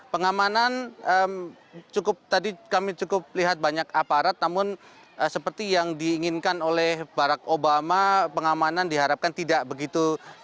pengamanan cukup tadi kami cukup lihat banyak aparat namun seperti yang diinginkan oleh barack obama pengamanan diharapkan tidak begitu